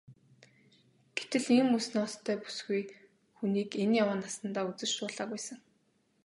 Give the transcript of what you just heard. Гэтэл ийм үс ноостой бүсгүй хүнийг энэ яваа насандаа үзэж дуулаагүй сэн.